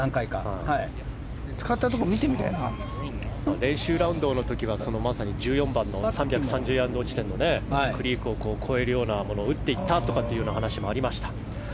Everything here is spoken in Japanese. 練習ラウンドの時は１４番の３３０ヤード地点のクリークを越えるようなものを打っていったというような話もありました。